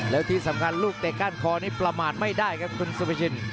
แล้วที่สำคัญลูกเตะก้านคอนี้ประมาทไม่ได้ครับคุณสุภาชิน